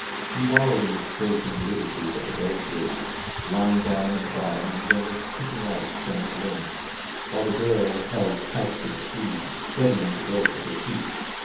He wallowed in the straitened liberty that the boat gave, lying down in the bottom and gently kicking out his cramped limbs, while the girl held tight to the trees, steadying the boat with her feet.